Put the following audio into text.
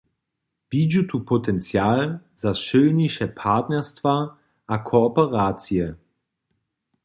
Widźu tu potencial za sylniše partnerstwa a kooperacije.